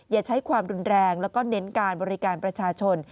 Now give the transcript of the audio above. อย่าใช้ความรุนแรงแล้วก็เน้นการบริการประชาชน